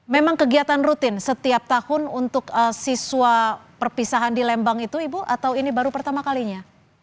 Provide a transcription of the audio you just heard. memang kegiatan rutin setiap tahun untuk siswa perpisahan di lembang itu ibu atau ini baru pertama kalinya